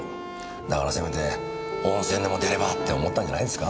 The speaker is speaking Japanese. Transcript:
だからせめて温泉でも出ればって思ったんじゃないですか？